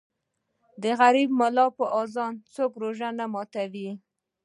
ـ د غریب ملا په اذان څوک روژه نه ماتوي.